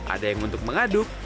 ada yang untuk mengaduk